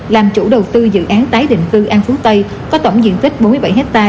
làm chủ đầu tư dự án tái định cư an phú tây có tổng diện tích bốn mươi bảy hectare